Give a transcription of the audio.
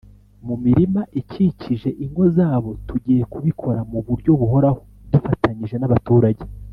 Mu mirima ikikije ingo zabo tugiye kubikora mu buryo buhoraho dufatanyije n’abaturage